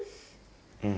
うん。